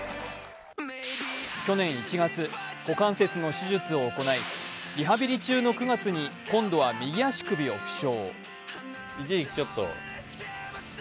去年１月、股関節の手術を行いリハビリ中の９月に今度は右足首を負傷。